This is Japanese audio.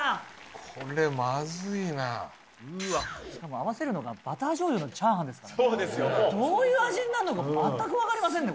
これまずいなしかも合わせるのがバター醤油のチャーハンですからどういう味になるのか全く分かりませんね